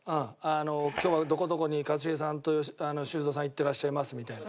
「今日はどこどこに一茂さんと修造さん行ってらっしゃいます」みたいな。